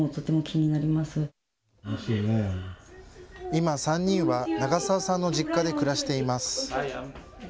今、３人は長澤さんの実家で暮らしています。